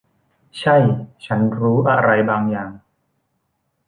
ใช่ ฉันรู้อะไรบางอย่าง